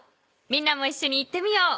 みんなもいっしょに言ってみよう。